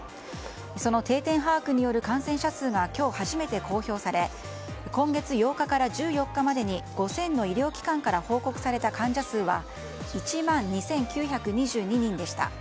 その定点把握による感染者数が今日初めて公表され今月８日から１４日までに５０００の医療機関から報告された患者数は１万２９２２人でした。